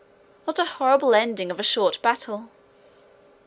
What a horrible ending of a short battle!